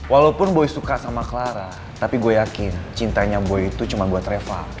walaupun boy suka sama clara tapi gue yakin cintanya boy itu cuma buat reva